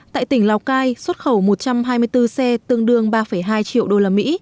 tại tỉnh lào cai xuất khẩu một trăm hai mươi bốn xe tương đương ba hai triệu usd